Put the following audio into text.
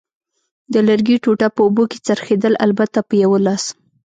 د لرګي ټوټه په اوبو کې څرخېدل، البته په یوه لاس.